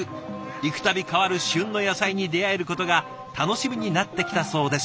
行くたび変わる旬の野菜に出会えることが楽しみになってきたそうです。